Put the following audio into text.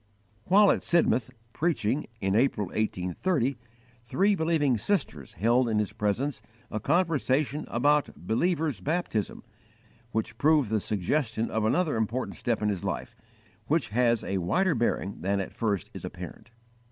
While at Sidmouth, preaching, in April, 1830, three believing sisters held in his presence a conversation about 'believers' baptism,' which proved the suggestion of another important step in his life, which has a wider bearing than at first is apparent.